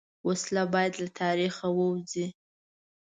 وسله باید له تاریخ ووځي